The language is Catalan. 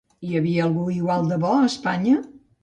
Hi havia algú igual de bo a Espanya?